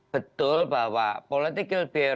betul bahwa politikil biaya